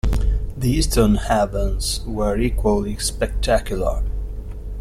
The eastern heavens were equally spectacular.